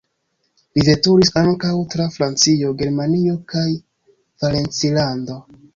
Li veturis ankaŭ tra Francio, Germanio kaj Valencilando.